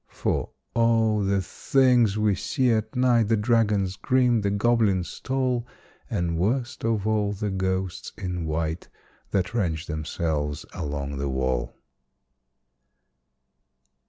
For O! the things we see at night The dragons grim, the goblins tall, And, worst of all, the ghosts in white That range themselves along the wall!